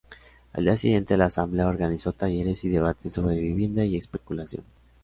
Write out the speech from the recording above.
Al día siguiente la Asamblea organizó talleres y debates sobre vivienda y especulación.